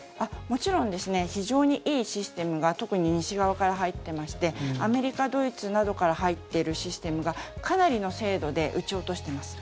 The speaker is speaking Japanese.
もちろん非常にいいシステムが特に西側から入ってましてアメリカ、ドイツなどから入っているシステムがかなりの精度で撃ち落としています。